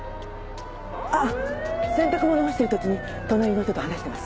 あっ洗濯物干してるときに隣の人と話してます。